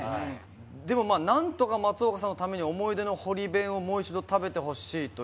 でもなんとか松岡さんのために思い出の堀弁をもう一度食べてほしいという事でですね